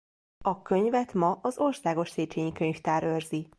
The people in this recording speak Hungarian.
A könyvet ma az Országos Széchényi Könyvtár őrzi.